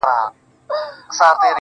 o هغه مي سايلينټ سوي زړه ته.